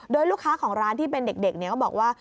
โดยลูกค้าของร้านที่เป็นเด็กก็บอกว่า